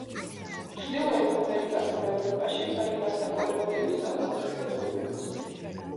ჩრდილოეთ ამერიკასა და ევროპაში გაიმართა კოლექტივის საკონცერტო ტურნეც.